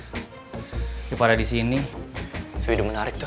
mendingan kita makan di restoran aja tuh ayam goreng langganan kita dah